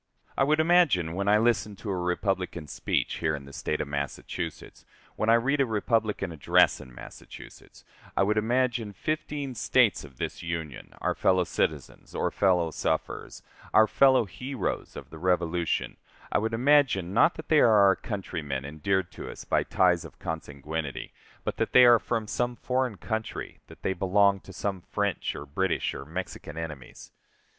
I would imagine when I listen to a Republican speech here in the State of Massachusetts, when I read a Republican address in Massachusetts, I would imagine fifteen States of this Union our fellow citizens or fellow sufferers, our fellow heroes of the Revolution I would imagine not that they are our countrymen endeared to us by ties of consanguinity, but that they are from some foreign country, that they belong to some French or British or Mexican enemies.